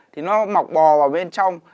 thì nó mọc bò vào bên trong